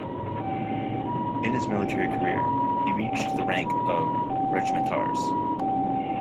In his military career, he reached the rank of regimentarz.